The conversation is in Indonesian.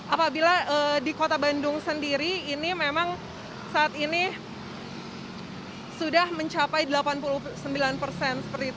apabila di kota bandung sendiri ini memang saat ini sudah mencapai delapan puluh sembilan persen